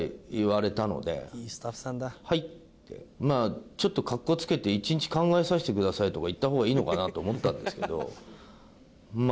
まあちょっと格好付けて「１日考えさせてください」とか言った方がいいのかなと思ったんですけどまあ